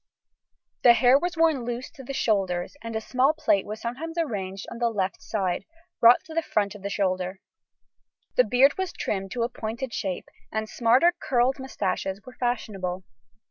The hair was worn loose to the shoulders, and a small plait was sometimes arranged on the left side, brought to the front of shoulder. The beard was trimmed to a pointed shape, and smarter curled moustaches were fashionable.